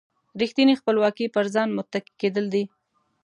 ریښتینې خپلواکي پر ځان متکي کېدل دي.